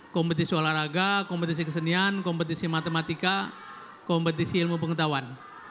kompetisi olahraga kompetisi kesenian kompetisi matematika kompetisi ilmu pengetahuan